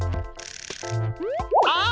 あ！